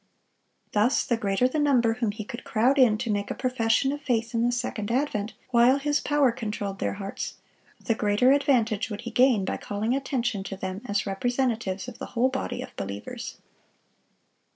Thus the greater the number whom he could crowd in to make a profession of faith in the second advent while his power controlled their hearts, the greater advantage would he gain by calling attention to them as representatives of the whole body of believers.